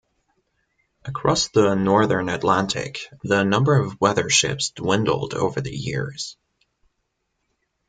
Across the northern Atlantic, the number of weather ships dwindled over the years.